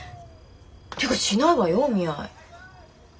ていうかしないわよお見合い。